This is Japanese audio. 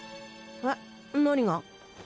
えっ何が？